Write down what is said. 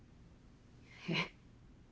えっ？